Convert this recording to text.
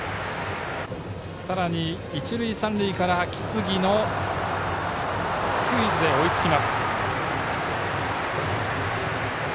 さらに、一塁三塁から木次のスクイズで追いつきます。